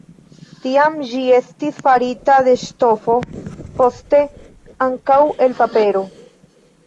Tiam ĝi estis farita el ŝtofo, poste ankaŭ el papero.